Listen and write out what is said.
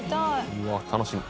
うわあ楽しみ。